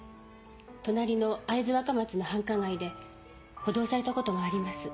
隣の会津若松の繁華街で補導されたこともあります。